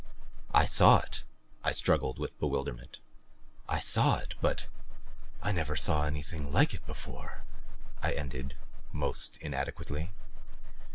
"I saw it." I struggled with bewilderment. "I saw it. But I never saw anything like it before," I ended, most inadequately.